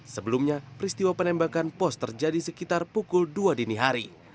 sebelumnya peristiwa penembakan pos terjadi sekitar pukul dua dini hari